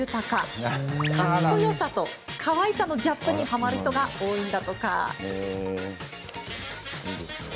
かっこよさとかわいさのギャップにはまる人が多いんだとか。